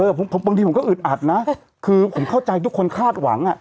ผมบางทีผมก็อึดอัดนะคือผมเข้าใจทุกคนคาดหวังอ่ะ